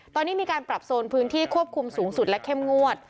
ตอนนี้มีการปรับโซนพื้นที่ควบคุมสูงสุดและเข้มงวด